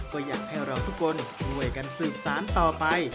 ก็อยากให้เราทุกคนช่วยกันสืบสารต่อไป